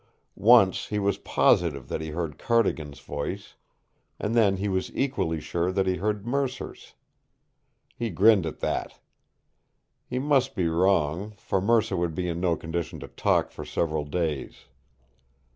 Once he was positive that he heard Cardigan's voice, and then he was equally sure that he heard Mercer's. He grinned at that. He must be wrong, for Mercer would be in no condition to talk for several days.